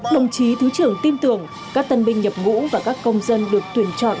đồng chí thứ trưởng tin tưởng các tân binh nhập ngũ và các công dân được tuyển chọn